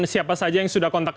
siapa saja yang sudah kontak